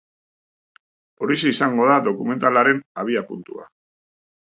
Horixe izango da dokumentalaren abiapuntua.